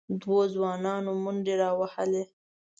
دوو ځوانانو منډې راوهلې،